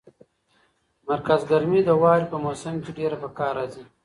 مرکز ګرمي د واورې په موسم کې ډېره په کار راځي.